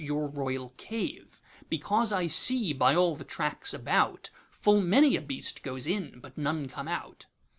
your royal cave; Because I see, by all the tracks about, Full many a beast goes in, but none come out.